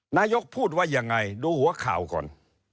นายกพูดว่ายังไงดูหัวข่าวก่อน